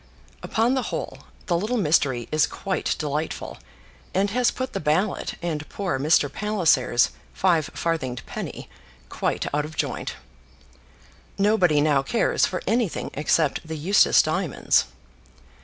Upon the whole, the little mystery is quite delightful; and has put the ballot, and poor Mr. Palliser's five farthinged penny, quite out of joint. Nobody now cares for anything except the Eustace diamonds.